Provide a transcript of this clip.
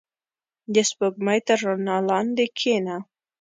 • د سپوږمۍ تر رڼا لاندې کښېنه.